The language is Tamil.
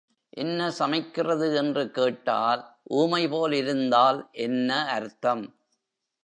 என்ன சமைக்கிறது என்று கேட்டால் ஊமை போல் இருந்தால் என்ன அர்த்தம்?